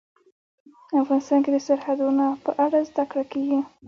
افغانستان کې د سرحدونه په اړه زده کړه کېږي.